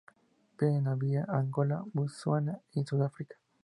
Viven en Namibia, Angola, Botsuana y Sudáfrica.